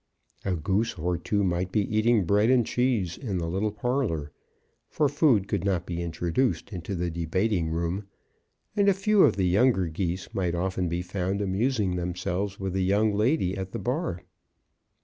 A Goose or two might be eating bread and cheese in the little parlour, for food could not be introduced into the debating room; and a few of the younger Geese might often be found amusing themselves with the young lady at the bar.